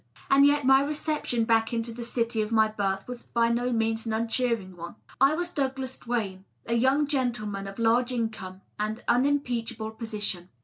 And yet my reception back into the city of my birth was by no means an uncheering one. I was Douglas Duane, a young gentleman of large income and unimpeachable position.